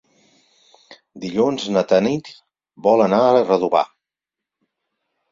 Dilluns na Tanit vol anar a Redovà.